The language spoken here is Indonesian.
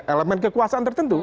elemen kekuasaan tertentu